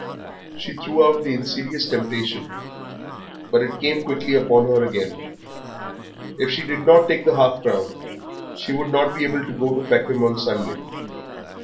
She threw out the insidious temptation, but it came quickly upon her again. If she did not take the half crown she would not be able to go Peckham on Sunday.